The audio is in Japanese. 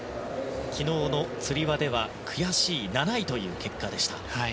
昨日のつり輪では悔しい７位という結果でした。